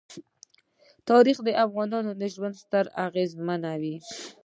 تاریخ د افغانانو د ژوند طرز اغېزمنوي.